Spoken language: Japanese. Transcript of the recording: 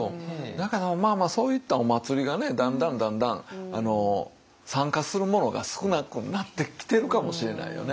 だからそういったお祭りがだんだんだんだん参加するものが少なくなってきてるかもしれないよね。